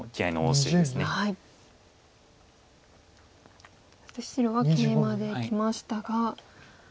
そして白はケイマできましたが。